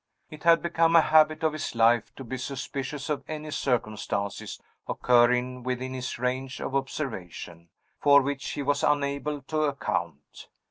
It had become a habit of his life to be suspicious of any circumstances occurring within his range of observation, for which he was unable to account.